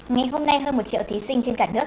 ngày hôm nay hơn một triệu thí sinh trên cả nước